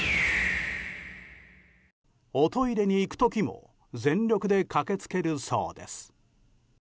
おトイレに行く時も全力で駆けつけるそうです。